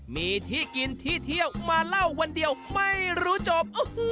มีที่กินที่เที่ยวมาเล่าวันเดียวไม่รู้จบ